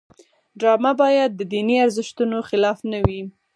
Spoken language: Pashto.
ډرامه باید د دیني ارزښتونو خلاف نه وي